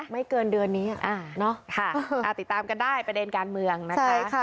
ไม่เกินเดือนนี้ติดตามกันได้ประเด็นการเมืองนะคะ